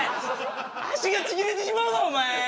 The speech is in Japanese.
脚がちぎれてしまうぞお前！